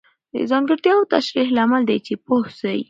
د ځانګړتیاوو تشریح لامل دی چې پوه سئ.